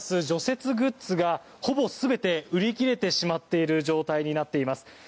除雪グッズがほぼ全て売り切れてしまっている状態になっています。